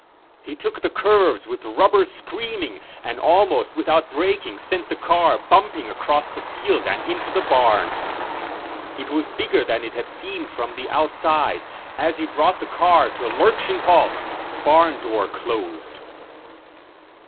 He took the curves with rubber screaming and almost without braking sent the car bumping across the field and into the barn. It was bigger than it had seemed from the outside. As he brought the car to a lurching halt the barn door closed.